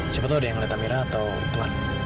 siapa tau dia ngeliat amira atau tuhan